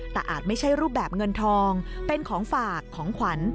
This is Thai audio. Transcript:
แต่อาจไม่ใช่รูปแบบเงินทองเป็นของฝากของขวัญ